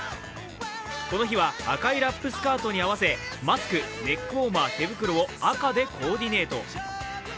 この日は赤いラップスカートに合わせ、マスク、ネックウォーマー、手袋を赤でコーディネート。